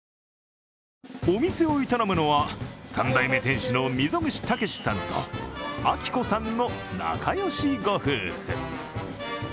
お店を営むのは３代目店主の溝口武さんと暁子さんの仲良しご夫婦。